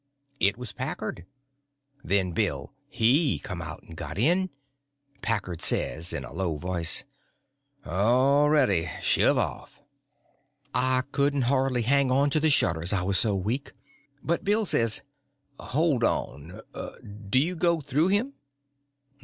It was Packard. Then Bill he come out and got in. Packard says, in a low voice: "All ready—shove off!" I couldn't hardly hang on to the shutters, I was so weak. But Bill says: "Hold on—'d you go through him?"